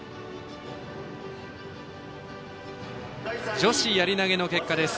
女子やり投げの結果です。